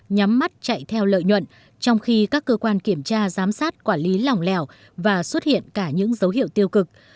nhắm mắt chạy theo lợi nhuận trong khi các cơ quan kiểm tra giám sát quản lý lòng lẻo và xuất hiện cả những dấu hiệu tiêu cực